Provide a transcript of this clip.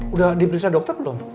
udah diperiksa dokter belum